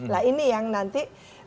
nah ini yang nanti